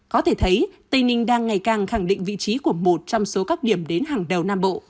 có thể thấy tây ninh đang ngày càng khẳng định vị trí của một trong số các điểm đến hàng đầu nam bộ